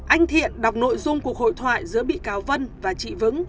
anh thiện đọc nội dung cuộc hội thoại giữa bị cáo vân và chị vững